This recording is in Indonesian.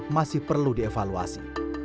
masih perlu dievaluasi